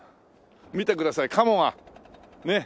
見てくださいカモがねっ。